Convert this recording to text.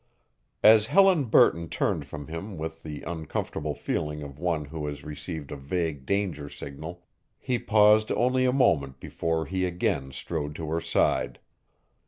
As Helen Burton turned from him with the uncomfortable feeling of one who has received a vague danger signal he paused only a moment before he again strode to her side.